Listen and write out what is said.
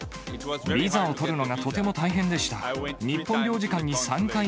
ビザを取るのがとても大変でした。